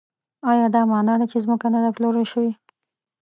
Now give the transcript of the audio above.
ایا دا مانا ده چې ځمکه نه ده پلورل شوې؟